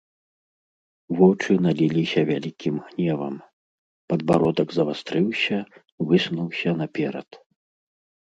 Вочы наліліся вялікім гневам, падбародак завастрыўся, высунуўся наперад.